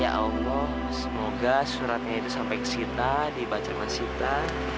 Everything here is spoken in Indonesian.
ya allah semoga suratnya itu sampai ke sita dibaca sama sita